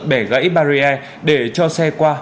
bẻ gãy barrier để cho xe qua